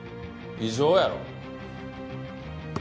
異常やろ？